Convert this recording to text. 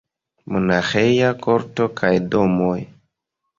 Monaĥeja korto kaj domoj.